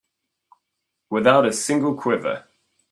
Without a single quiver.